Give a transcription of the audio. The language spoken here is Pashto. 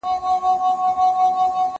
زه مخکي نان خوړلی و